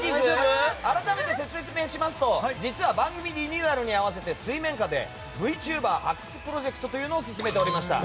改めて説明しますと実は番組リニューアルに合わせて水面下でＶＴｕｂｅｒ発掘プロジェクトを進めておりました。